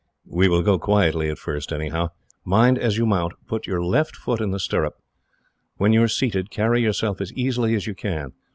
"We will go quietly at first, anyhow. Mind, as you mount, put your left foot in the stirrup. When you are seated, carry yourself as easily as you can.